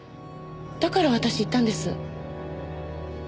だから私言ったんです。